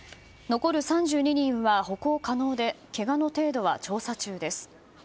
残る３２人は歩行可能でけがの程度は調査中です。